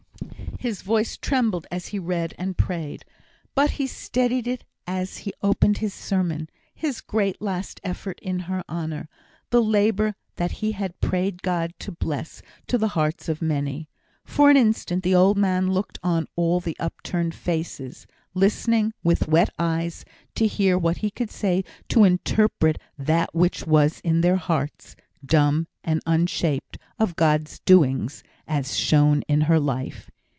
His voice trembled as he read and prayed. But he steadied it as he opened his sermon his great, last effort in her honour the labour that he had prayed God to bless to the hearts of many. For an instant the old man looked on all the upturned faces, listening, with wet eyes, to hear what he could say to interpret that which was in their hearts, dumb and unshaped, of God's doings as shown in her life.